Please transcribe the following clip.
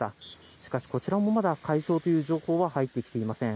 しかし、こちらもまだ解消という情報は入ってきていません。